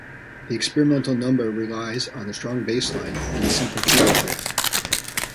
The experimental number relies on a strong bass line and a simple keyboard riff.